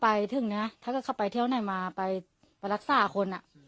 ไปถึงนะถ้าเกิดเขาไปเที่ยวไหนมาไปรักษาคนอ่ะ